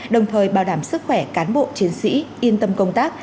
đồng thời bảo đảm sức khỏe cán bộ chiến sĩ yên tâm công tác